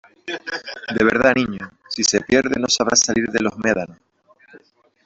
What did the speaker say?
de verdad , niño , si se pierde no sabrá salir de los médanos ...